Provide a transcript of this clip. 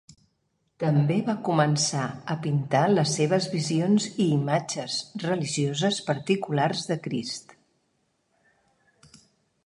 També va començar a pintar les seves visions i imatges religioses particulars de Crist.